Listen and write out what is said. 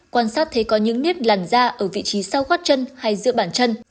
quan sát thấy có những nếp lằn ra ở vị trí sau gót chân hay giữa bàn chân